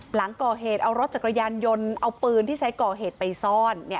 หลังก่อเหตุเอารถจักรยานยนต์เอาปืนที่ใช้ก่อเหตุไปซ่อน